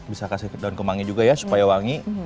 bisa kasih daun kemangi juga ya supaya wangi